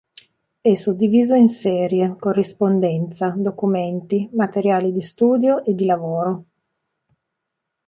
È suddiviso in serie: corrispondenza; documenti; materiali di studio e di lavoro.